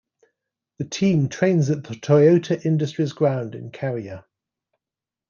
The team trains at the Toyota Industries ground in Kariya.